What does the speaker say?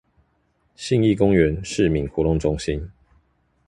信義公園市民活動中心